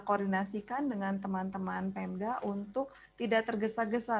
koordinasikan dengan teman teman pemda untuk tidak tergesa gesa